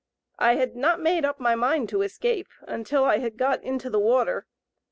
I had not made up my mind to escape until I had got into the water.